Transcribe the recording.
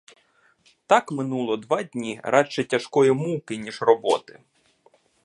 Так минуло два дні — радше тяжкої муки, ніж роботи.